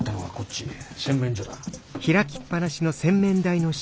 洗面所だ。